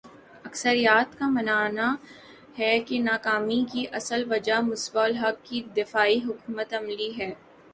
اکثریت کا ماننا ہے کہ ناکامی کی اصل وجہ مصباح الحق کی دفاعی حکمت عملی ہے